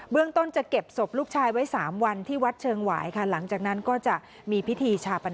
เบื้องต้นจะเก็บสบลูกชายไว้๓วันที่วัดเชียงไหว